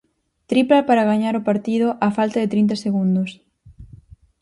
Tripla para gañar o partido á falta de trinta segundos.